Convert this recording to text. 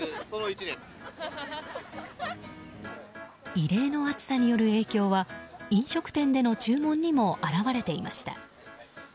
異例の暑さによる影響は飲食店での注文にも表れていました。